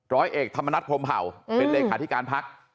ร้อยเอกธรรมนัฐพรมเผ่าเป็นเลขาธิการพัก